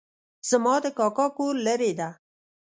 زما د کاکا کور لرې ده